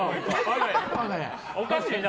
おかしいな。